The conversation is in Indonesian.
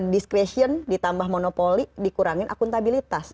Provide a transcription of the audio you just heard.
discresion ditambah monopoli dikurangin akuntabilitas